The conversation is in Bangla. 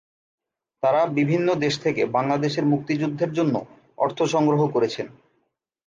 তারা বিভিন্ন দেশ থেকে বাংলাদেশের মুক্তিযুদ্ধের জন্য অর্থ সংগ্রহ করেছেন।